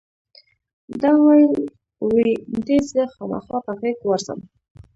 ده وویل وی دې زه خامخا په غېږ ورځم.